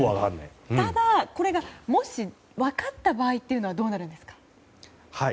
ただ、これがもし分かった場合どうなるんですかね。